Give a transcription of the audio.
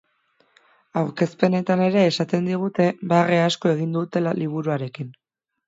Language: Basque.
Aurkezpenetan ere esaten digute barre asko egin dutela liburuarekin.